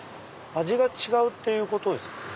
味が違うということですかね。